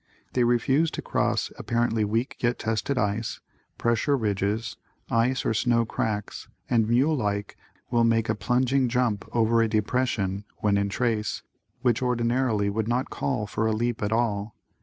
They refuse to cross apparently weak yet tested ice, pressure ridges, ice or snow cracks and mule like, will make a plunging jump over a depression (when in trace) which ordinarily would not call for a leap at all.